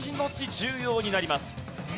重要になります。